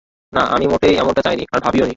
না, আমি মোটেই এমনটা চাইনি আর ভাবিওনি।